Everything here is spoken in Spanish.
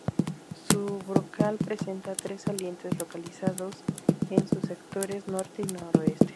Su brocal presenta tres salientes localizados en sus sectores norte y noroeste.